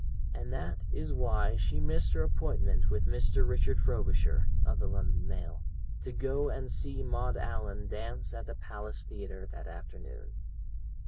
And that is why she missed her appointment with Mr. Richard Frobisher (of the London Mail) to go and see Maud Allan dance at the Palace Theatre that afternoon.